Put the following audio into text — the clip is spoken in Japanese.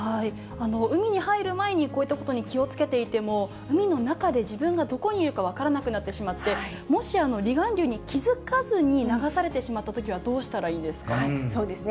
海に入る前に、こういったことに気をつけていても、海の中で自分がどこにいるか分からなくなってしまって、もし、離岸流に気付かずに流されてしまったときは、どうしたらいいんでそうですね。